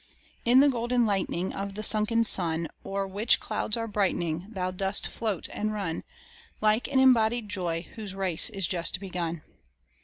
In the golden lightning Of the sunken sun, O'er which clouds are brightening, Thou dost float and run, Like an embodied joy whose race is just begun.